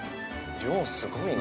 ◆量、すごいな。